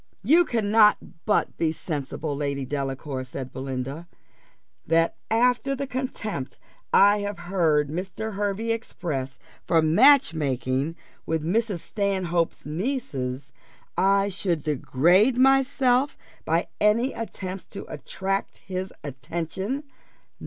"You cannot but be sensible, Lady Delacour," said Belinda, "that after the contempt I have heard Mr. Hervey express for match making with Mrs. Stanhope's nieces, I should degrade myself by any attempts to attract his attention.